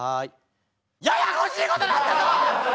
ややこしいことなったぞ！